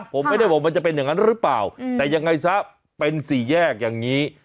ผมไม่ได้บอกมันจะเป็นอย่างนั้นหรือเปล่าแต่ยังไงซะเป็นสี่แยกอย่างนี้